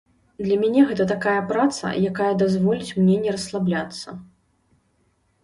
Для мяне гэта такая праца, якая дазволіць мне не расслабляцца.